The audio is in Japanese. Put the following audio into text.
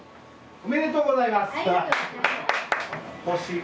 ありがとうございます。